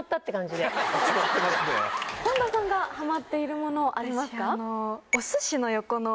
本田さんがハマっているものありますか？